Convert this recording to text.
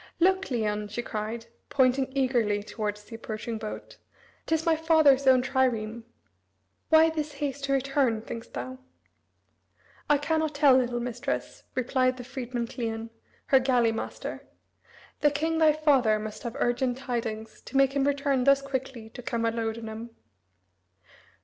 "Look, Cleon," she cried, pointing, eagerly towards the approaching boat, "'t is my father's own trireme. Why this haste to return, think'st thou?" "I cannot tell, little mistress," replied the freedman Cleon, her galley master; "the king thy father must have urgent tidings, to make him return thus quickly to Camalodunum."